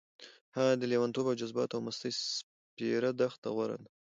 هغه د لېونتوب او جذباتو او مستۍ سپېره دښته غوره ده.